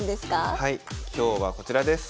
はい今日はこちらです。